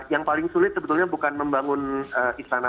yang paling sulit sebetulnya bukan membangun istana